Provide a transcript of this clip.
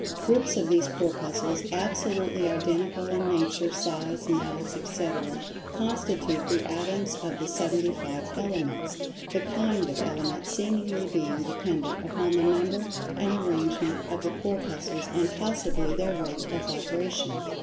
Groups of these Corpuscles, absolutely identical in nature, size, mass, etc., constitute the Atoms of the Seventy five Elements, the "kind" of Element seemingly being dependent upon the number and arrangement of the Corpuscles, and possibly by their rate of vibration.